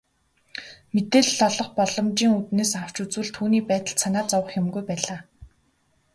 Мэдээлэл олох боломжийн үүднээс авч үзвэл түүний байдалд санаа зовох юмгүй байлаа.